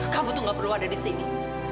kamu tuh gak perlu ada di sini